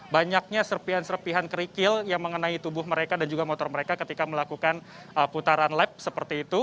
banyaknya serpihan serpihan kerikil yang mengenai tubuh mereka dan juga motor mereka ketika melakukan putaran lab seperti itu